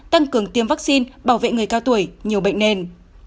tăng cường tiêm vaccine bảo vệ người cao tuổi nhiều bệnh nền